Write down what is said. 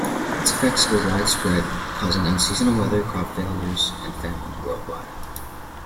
Its effects were widespread, causing unseasonal weather, crop failures and famines worldwide.